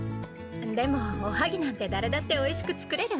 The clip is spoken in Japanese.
でもおはぎなんて誰だっておいしく作れるわよ。